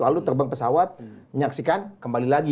lalu terbang pesawat menyaksikan kembali lagi